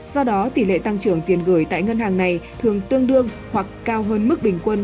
do đó tỷ lệ tăng trưởng tiền gửi tại ngân hàng này thường tương đương hoặc cao hơn mức bình quân